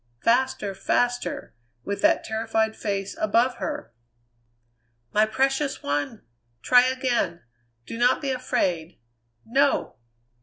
Faster, faster, with that terrified face above her! "My precious one! Try again! Do not be afraid!" "No."